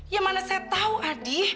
ya mana saya tau adi